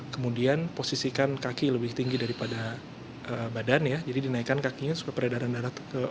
kemudian posisikan kaki lebih tinggi daripada badan ya jadi dinaikkan kakinya supaya peredaran darah